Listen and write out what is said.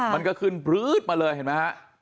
มันก็ขึ้นปลื๊ดมาเลยเห็นไหมฮะ